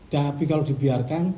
tapi kalau dibiarkan